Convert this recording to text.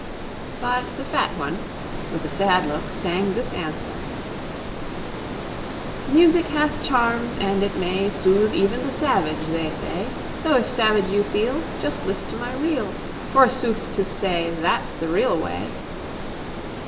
But the fat one, with a sad look, sang this answer: Music hath charms, and it may Soothe even the savage, they say; So if savage you feel Just list to my reel, For sooth to say that's the real way.